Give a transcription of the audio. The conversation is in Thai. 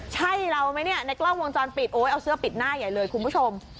ใช่เราไหมเนี่ยในกล้องวงจรปิดโอ๊ยเอาเสื้อปิดหน้าใหญ่เลยคุณผู้ชม